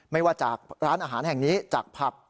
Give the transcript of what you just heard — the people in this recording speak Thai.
ไม่ว่าจากร้านอาหารแห่งนี้จากผับ